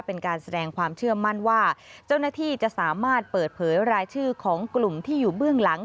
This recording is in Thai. เป็นการแสดงความเชื่อมั่นว่าเจ้าหน้าที่จะสามารถเปิดเผยรายชื่อของกลุ่มที่อยู่เบื้องหลัง